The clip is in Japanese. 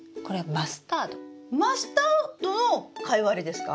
マスタードのカイワレですか？